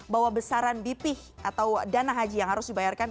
bahwa besaran bp atau dana haji yang harus dibayarkan